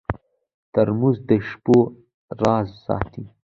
ترموز د شپو راز ساتي.